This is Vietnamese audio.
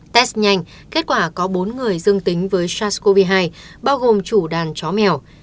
test nhanh kết quả có bốn người dương tính với sars cov hai bao gồm chủ đàn chó mèo